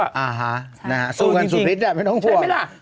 อ่าฮะสู้กันสุดทิศน่ะไม่ต้องกลัวใช่ไหมล่ะ